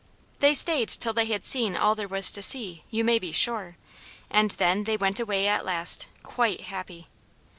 They stayed till they had seen all there was to see, you may be sure, and then they went away at last, quite happy.